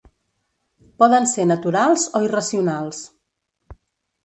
Poden ser naturals o irracionals.